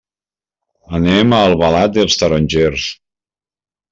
Anem a Albalat dels Tarongers.